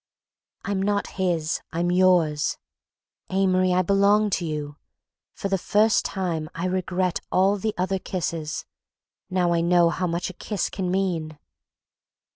"I'm not his, I'm yours. Amory, I belong to you. For the first time I regret all the other kisses; now I know how much a kiss can mean."